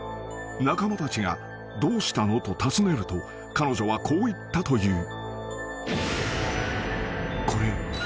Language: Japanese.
［仲間たちが「どうしたの？」と尋ねると彼女はこう言ったという］